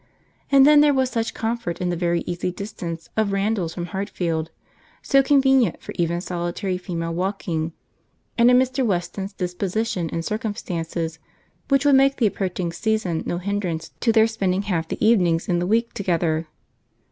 And then there was such comfort in the very easy distance of Randalls from Hartfield, so convenient for even solitary female walking, and in Mr. Weston's disposition and circumstances, which would make the approaching season no hindrance to their spending half the evenings in the week together.